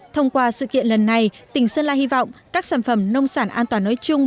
thông qua sự kiện lần này tỉnh sơn la hy vọng các sản phẩm nông sản an toàn nói chung